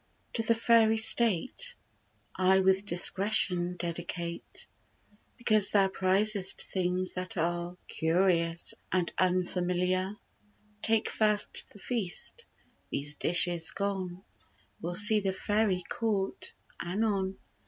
TO THE THE FAIRY STATE I WITH DISCRETION DEDICATE: BECAUSE THOU PRIZEST THINGS THAT ARE CURIOUS AND UNFAMILIAR. TAKE FIRST THE FEAST; THESE DISHES GONE, WE'LL SEE THE FAIRY COURT ANON.